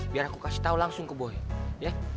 biar aku kasih tahu langsung ke boy ya